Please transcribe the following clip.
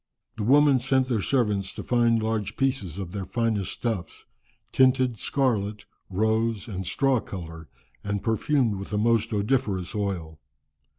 ] "The women sent their servants to find large pieces of their finest stuffs, tinted scarlet, rose, and straw colour, and perfumed with the most odoriferous oil.